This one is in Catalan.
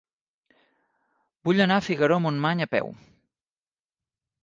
Vull anar a Figaró-Montmany a peu.